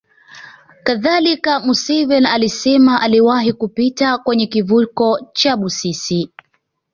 Kadhalika Museveni alisema aliwahi kupita kwenye kivuko cha Busisi